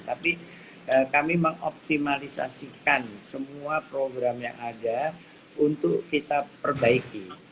tapi kami mengoptimalisasikan semua program yang ada untuk kita perbaiki